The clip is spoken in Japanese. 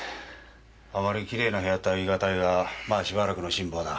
あまりきれいな部屋とは言いがたいがまあしばらくの辛抱だ。